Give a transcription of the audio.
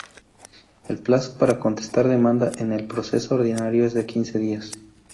El plazo para contestar demanda en el proceso ordinario es de quince días.